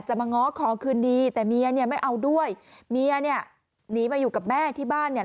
มาง้อขอคืนดีแต่เมียเนี่ยไม่เอาด้วยเมียเนี่ยหนีมาอยู่กับแม่ที่บ้านเนี่ย